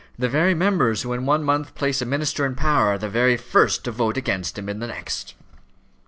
The very members who in one month place a minister in power, are the very first to vote against him in the next."